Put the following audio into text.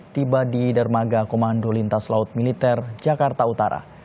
tiba di dermaga komando lintas laut militer jakarta utara